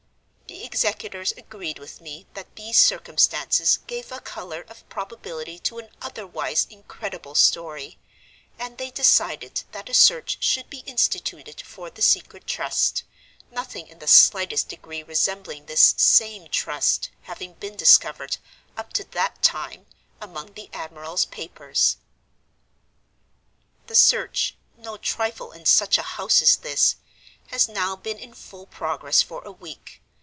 The executors agreed with me that these circumstances gave a color of probability to an otherwise incredible story; and they decided that a search should be instituted for the Secret Trust, nothing in the slightest degree resembling this same Trust having been discovered, up to that time, among the admiral's papers. "The search (no trifle in such a house as this) has now been in full progress for a week.